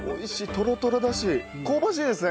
トロトロだし香ばしいですね